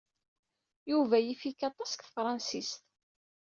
Yuba yif-ik aṭas deg tefṛansit.